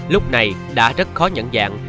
lúc này đã rất khó nhận dạng